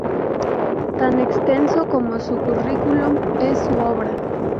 Tan extenso como su curriculum es su obra.